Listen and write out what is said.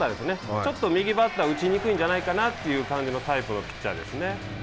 ちょっと右バッターは打ちにくいんじゃないかなというタイプのピッチャーですね。